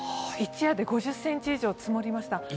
一夜で５０ｃｍ以上積もりました。